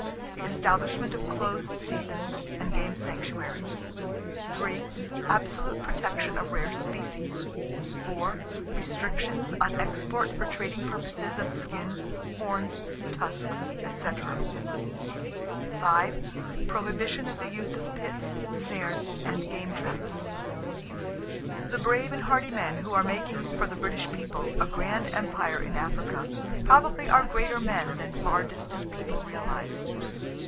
The establishment of close seasons and game sanctuaries. Absolute protection of rare species. Restrictions on export for trading purposes of skins, horns, tusks, etc. Prohibition of the use of pits, snares and game traps. The brave and hardy men who are making for the British people a grand empire in Africa probably are greater men than far distant people realize.